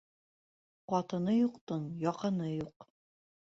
Ҡатыны юҡтың яҡыны юҡ.